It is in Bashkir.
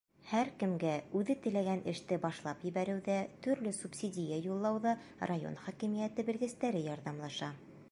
Һәр кемгә үҙе теләгән эште башлап ебәреүҙә, төрлө субсидия юллауҙа район хакимиәте белгестәре ярҙамлаша.